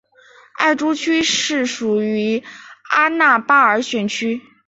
艾珠区是属于阿纳巴尔选区。